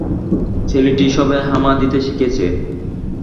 ছেলেটি সবে হামা দিতে শিখেছে।